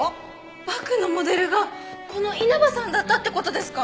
バクのモデルがこの稲葉さんだったって事ですか！？